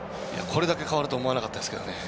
これだけ変わるとは思わなかったですね。